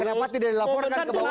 kenapa tidak dilaporkan ke bawah